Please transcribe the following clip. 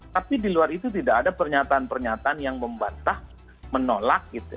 tapi di luar itu tidak ada pernyataan pernyataan yang membantah menolak